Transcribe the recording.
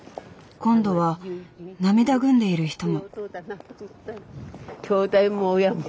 今度は涙ぐんでいる人も。